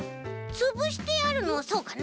つぶしてあるのそうかな？